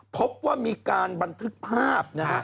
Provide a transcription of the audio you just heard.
พบว่ามีการบันทึกภาพนะฮะ